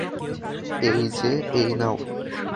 এই যে, এই নাও।